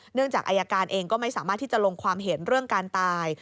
จากอายการเองก็ไม่สามารถที่จะลงความเห็นเรื่องการตาย